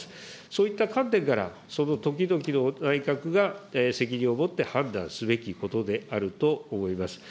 そういった観点から、その時々の内閣が責任を持って判断すべきことであると思います。